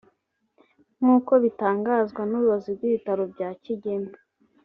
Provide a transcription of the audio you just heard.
nk’uko bitangazwa n’ubuyobozi bw’ibitaro bya Kigeme